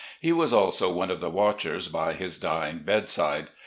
He was also one of the watchers by his d3dng bedside.